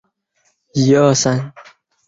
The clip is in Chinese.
影片部分场景于美国德克萨斯州的拍摄。